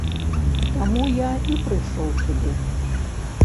Таму я і прыйшоў сюды.